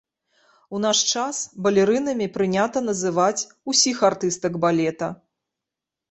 У наш час балерынамі прынята называць усіх артыстак балета.